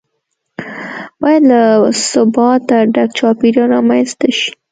باید له ثباته ډک چاپیریال رامنځته شي.